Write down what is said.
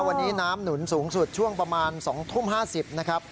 วันนี้น้ำหนุนสูงสุดช่วงประมาณ๒ทุ่ม๕๐นะครับ